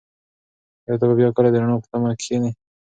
ایا ته به بیا کله د رڼا په تمه کښېنې؟